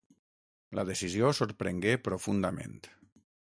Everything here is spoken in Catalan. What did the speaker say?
La decisió sorprengué profundament.